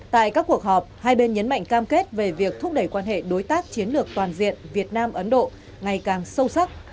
tại các cuộc họp hai bên nhấn mạnh cam kết về việc thúc đẩy quan hệ đối tác chiến lược toàn diện việt nam ấn độ ngày càng sâu sắc